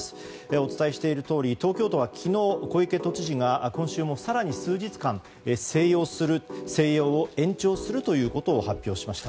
お伝えしているとおり東京都は昨日小池都知事が今週も更に数日間静養を延長するということを発表しました。